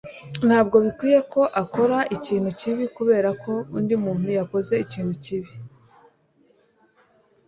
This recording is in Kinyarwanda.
Ntabwo bikwiye ko ukora ikintu kibi kubera ko undi muntu yakoze ikintu kibi.